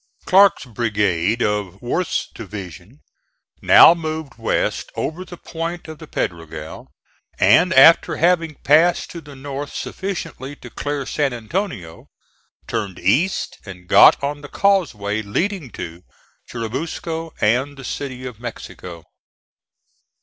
Clarke's brigade of Worth's division now moved west over the point of the Pedregal, and after having passed to the north sufficiently to clear San Antonio, turned east and got on the causeway leading to Churubusco and the City of Mexico.